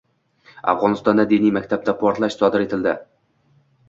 Afg‘onistonda diniy maktabda portlash sodir etildi